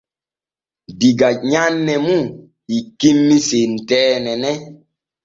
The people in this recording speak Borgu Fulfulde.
Diga nyanne mun hikkimmi senteene nen.